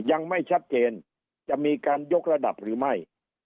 ยังไม่ชัดเจนจะมีการยกระดับหรือไม่